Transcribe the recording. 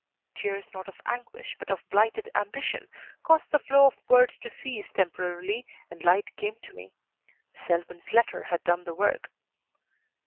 Tears not of anguish, but of blighted ambition, caused the flow of words to cease temporarily, and light came to me. Selwyn's letter had done the work.